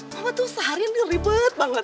mama tuh seharian ribet banget